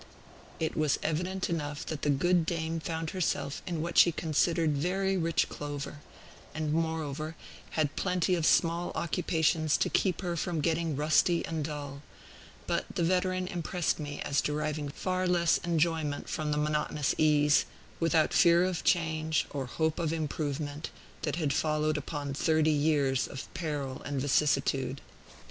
It was evident enough that the good dame found herself in what she considered very rich clover, and, moreover, had plenty of small occupations to keep her from getting rusty and dull; but the veteran impressed me as deriving far less enjoyment from the monotonous ease, without fear of change or hope of improvement, that had followed upon thirty years of peril and vicissitude.